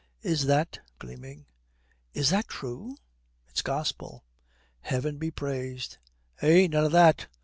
'Is that' gleaming 'is that true?' 'It's gospel.' 'Heaven be praised!' 'Eh? None of that!